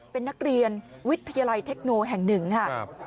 เป็นนักเรียนวิทยาลัยเทคโนแห่งหนึ่งค่ะ